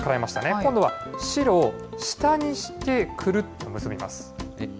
今度は白を下にしてくるっと結びます。